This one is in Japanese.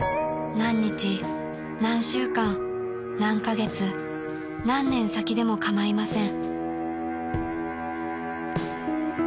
［「何日何週間何カ月何年先でもかまいません」］